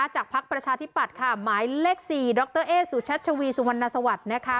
พักประชาธิปัตย์ค่ะหมายเลข๔ดรเอ๊สุชัชวีสุวรรณสวัสดิ์นะคะ